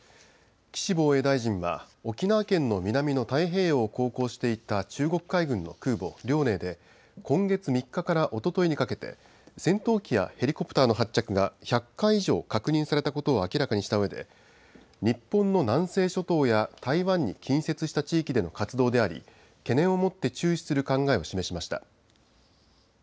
岸防衛大臣は沖縄県の南の太平洋を航行していた中国海軍の空母、遼寧で今月３日からおとといにかけて戦闘機やヘリコプターの発着が１００回以上確認されたことを明らかにしたうえで日本の南西諸島や台湾に近接した地域での活動であり懸念を持って注視する考えを示しました。